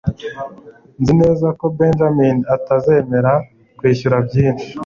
nzi neza ko benjamin atazemera kwishyura byinshi